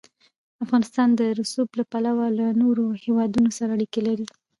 افغانستان د رسوب له پلوه له نورو هېوادونو سره اړیکې لري.